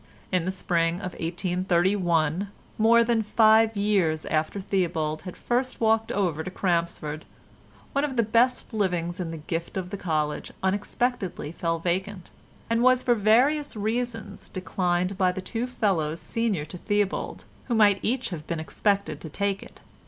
In the spring of 1831, more than five years after Theobald had first walked over to Crampsford, one of the best livings in the gift of the College unexpectedly fell vacant, and was for various reasons declined by the two fellows senior to Theobald, who might each have been expected to take it.